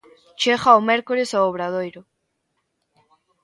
Chega o mércores ao Obradoiro.